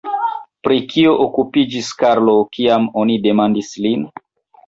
Pri kio okupiĝis Karlo, kiam oni demandis lin?